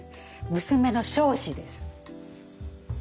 娘の彰子です。